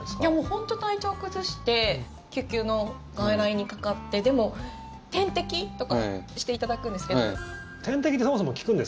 本当、体調崩して救急の外来にかかってでも点滴とかしていただくんですけど。